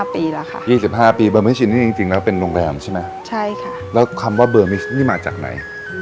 ๒๕ปีเบอร์มิชินนี่จริงแล้วเป็นโรงแรมใช่ไหมใช่ค่ะแล้วคำว่าเบอร์มิชนี่มาจากไหน